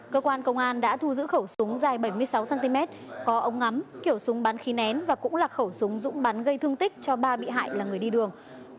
cơ quan công an đã thu giữ khẩu súng dài bảy mươi sáu cm có ống ngắm kiểu súng bắn khí nén và cũng là khẩu súng dũng bắn gây thương tích cho ba bị hại là người đi đường